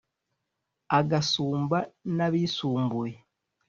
agasumba n’abisumbuye